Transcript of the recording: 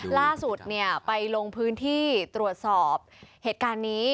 ล่าสุดไปลงพื้นที่ตรวจสอบเหตุการณ์นี้